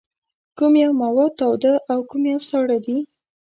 کوم یو مواد تاوده او کوم یو ساړه دي؟